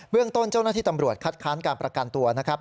เรื่องต้นเจ้าหน้าที่ตำรวจคัดค้านการประกันตัวนะครับ